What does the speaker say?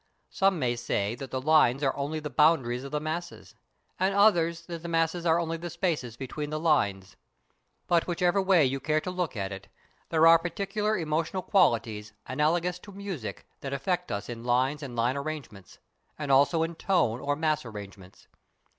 Some may say that the lines are only the boundaries of the masses, and others that the masses are only the spaces between the lines. But whichever way you care to look at it, there are particular emotional qualities analogous to music that affect us in lines and line arrangements and also in tone or mass arrangements.